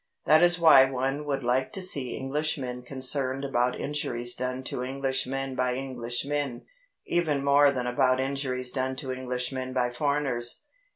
That is why one would like to see Englishmen concerned about injuries done to Englishmen by Englishmen, even more than about injuries done to Englishmen by foreigners.